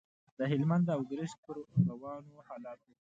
د هلمند او ګرشک پر روانو حالاتو.